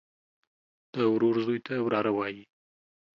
د ورور زوى ته وراره وايي.